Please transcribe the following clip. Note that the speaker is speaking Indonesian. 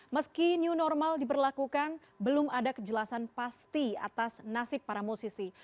meski new normal diberlakukan belum ada kejelasan pasti atas nasib para musisi